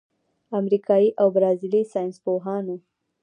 امریکايي او برازیلي ساینسپوهانو